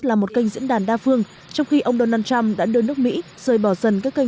là một kênh diễn đàn đa phương trong khi ông donald trump đã đưa nước mỹ rời bỏ dần các kênh